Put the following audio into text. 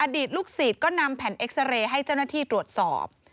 ตลูกศิษย์ก็นำแผ่นเอ็กซาเรย์ให้เจ้าหน้าที่ตรวจสอบ